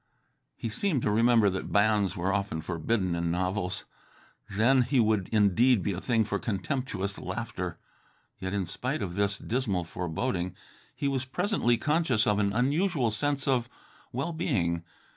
He seemed to remember that banns were often forbidden in novels. Then would he indeed be a thing for contemptuous laughter. Yet, in spite of this dismal foreboding, he was presently conscious of an unusual sense of well being.